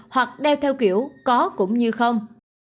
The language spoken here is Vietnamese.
hoặc đeo theo kiểu có cũng như không